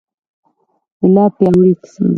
د لا پیاوړي اقتصاد لپاره.